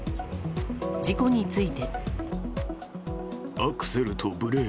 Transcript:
事故について。